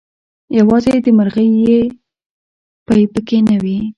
يوازې دمرغۍ پۍ پکې نه وې